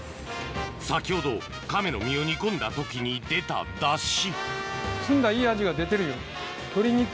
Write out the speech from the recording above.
先ほどカメの身を煮込んだ時に出たダシ